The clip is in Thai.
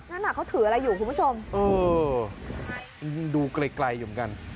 นั่นน่ะเขาถืออะไรอยู่คุณผู้ชมเออดูไกลอยู่เหมือนกัน